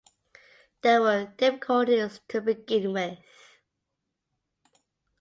There were difficulties to begin with.